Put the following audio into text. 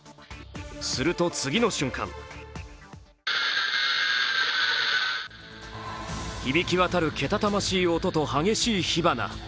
すると次の瞬間響き渡るけたたましい音と激しい火花。